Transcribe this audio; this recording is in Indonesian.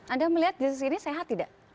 anda melihat di sini sehat tidak